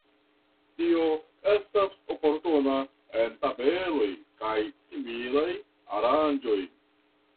Tio estas oportuna en tabeloj kaj similaj aranĝoj.